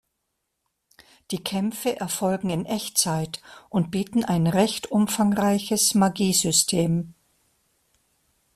Die Kämpfe erfolgen in Echtzeit, und bieten ein recht umfangreiches Magiesystem.